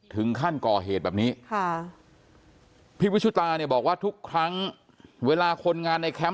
ถึงขั้นก่อเหตุแบบนี้ค่ะพี่วิชุตาเนี่ยบอกว่าทุกครั้งเวลาคนงานในแคมป